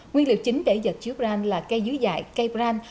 nguyên liệu chính để giật chiếu brand là cây dưới dạy cây brand